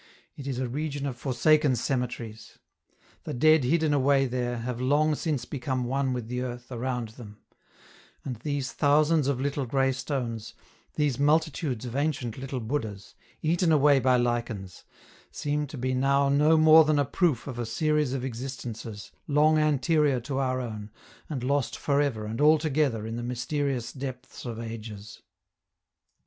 It is a region of forsaken cemeteries. The dead hidden away there have long since become one with the earth around them; and these thousands of little gray stones, these multitudes of ancient little Buddhas, eaten away by lichens, seem to be now no more than a proof of a series of existences, long anterior to our own, and lost forever and altogether in the mysterious depths of ages.